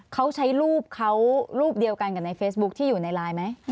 เขาใช้รูปเขารูปเดียวกันกับในเฟซบุ๊คที่อยู่ในไลน์ไหม